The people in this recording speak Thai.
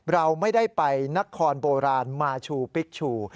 เราไม่ได้ไปนครโบราณมาชูปิ๊กชู